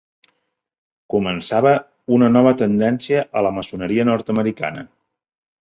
Començava una nova tendència a la maçoneria nord-americana.